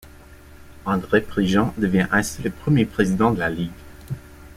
André Prigent devient ainsi le premier président de la ligue.